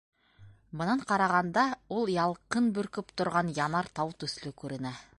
Бынан ҡарағанда ул ялҡын бөркөп торған янар тау төҫлө күренә.